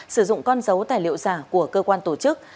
sử dụng con dấu tài liệu giả của cơ quan tổ chức